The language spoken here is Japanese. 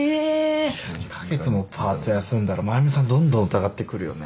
いや２カ月もパート休んだら真由美さんどんどん疑ってくるよね。